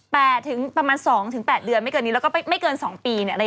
ถึงประมาณสองถึงแปดเดือนไม่เกินนี้แล้วก็ไม่ไม่เกินสองปีเนี่ยอะไร